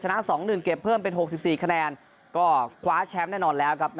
ชนะสองหนึ่งเก็บเพิ่มเป็นหกสิบสี่คะแนนก็คว้าแชมป์แน่นอนแล้วครับ